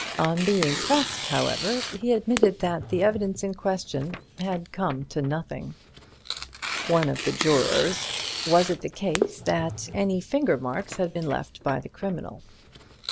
On being pressed, however, he admitted that the evidence in question had come to nothing. One of the jurors: Was it the case that any finger marks had been left by the criminal?